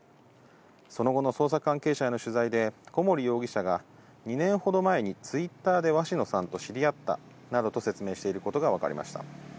その後の捜査関係者への取材で、小森容疑者が、２年ほど前にツイッターで鷲野さんと知り合ったなどと説明していることが分かりました。